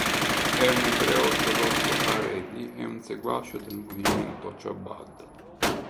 È un ebreo ortodosso haredi e un seguace del movimento Chabad.